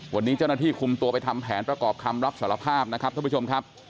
วันนี้เจ้าหน้าที่คุมตัวไปทำแผนประกอบคำรับสารภาพนะครับท่านผู้ชมครับ